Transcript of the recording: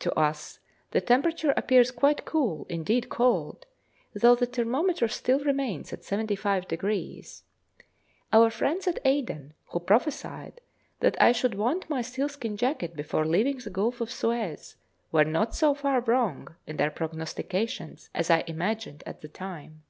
To us the temperature appears quite cool, indeed cold, though the thermometer still remains at 75°. Our friends at Aden, who prophesied that I should want my sealskin jacket before leaving the Gulf of Suez, were not so far wrong in their prognostications as I imagined at the time.